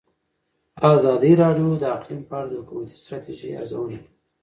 ازادي راډیو د اقلیم په اړه د حکومتي ستراتیژۍ ارزونه کړې.